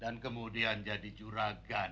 dan kemudian jadi curagan